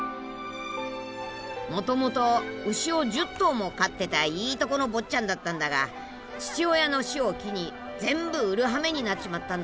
もともと牛を１０頭も飼ってたいいとこの坊ちゃんだったんだが父親の死を機に全部売るはめになっちまったんだってさ。